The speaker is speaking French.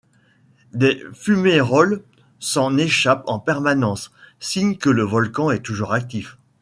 Des fumerolles s'en échappent en permanence, signe que le volcan est toujours actif.